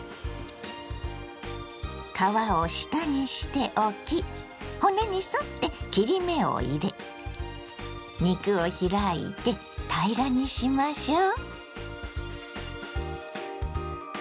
皮を下にして置き骨に沿って切り目を入れ肉を開いて平らにしましょう。